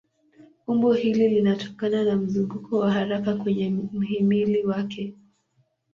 Umbo hili linatokana na mzunguko wa haraka kwenye mhimili wake.